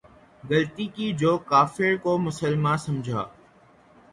غلطی کی کہ جو کافر کو مسلماں سمجھا